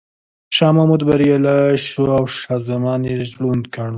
شاه محمود بریالی شو او شاه زمان یې ړوند کړ.